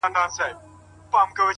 د شېخانو د ټگانو، د محل جنکۍ واوره.